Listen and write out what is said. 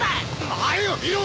前を見ろ！